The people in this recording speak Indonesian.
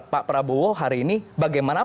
pak prabowo hari ini bagaimana